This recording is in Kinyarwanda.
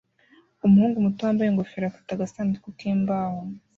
Umuhungu muto wambaye ingofero afata agasanduku k'imbaho